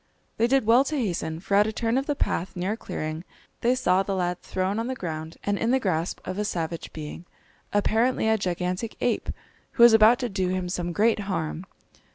They did well to hasten, for at a turn of the path near a clearing they saw the lad thrown on the ground and in the grasp of a savage being, apparently a gigantic ape, who was about to do him some great harm.